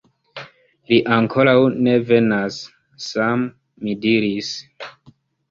Li ankoraŭ ne venas, Sam, mi diris.